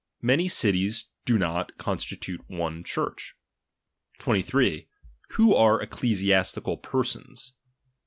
Many cities do not constitute one Church. 23. Who are ecclesiastical persons.